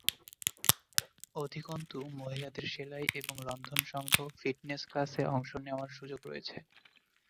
অধিকন্তু, মহিলাদের সেলাই এবং রন্ধন সংঘ, ফিটনেস ক্লাসে অংশ নেওয়ার সুযোগ রয়েছে।